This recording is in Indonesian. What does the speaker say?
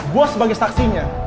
gue sebagai saksinya